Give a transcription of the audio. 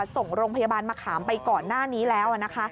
ส่งโรงพยาบาลมะขามไปก่อนหน้านี้แล้ว